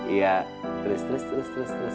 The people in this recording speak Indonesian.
iya terus terus terus